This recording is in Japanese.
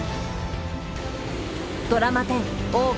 ドラマ１０「大奥」